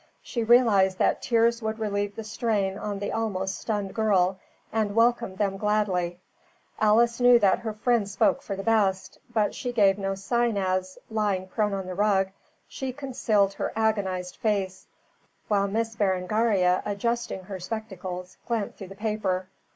She realized that tears would relieve the strain on the almost stunned girl, and welcomed them gladly. Alice knew that her friend spoke for the best, but she gave no sign as, lying prone on the rug, she concealed her agonized face, while Miss Berengaria adjusting her spectacles, glanced through the paper.